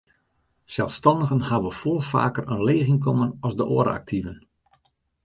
Selsstannigen hawwe folle faker in leech ynkommen as de oare aktiven.